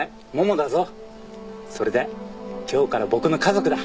それで今日から僕の家族だ